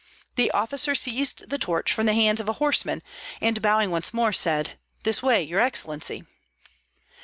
The officer seized the torch from the hands of a horseman, and bowing once more, said, "This way, your excellency!"